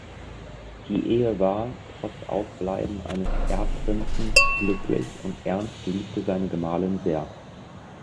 Die Ehe war, trotz Ausbleiben eines Erbprinzen, glücklich und Ernst liebte seine Gemahlin sehr.